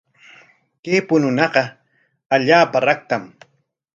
Kay puñunaqa allaapa raktam.